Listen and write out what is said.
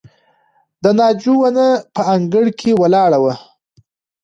د ناجو ونه په انګړ کې ولاړه وه.